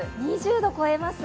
２０度超えます。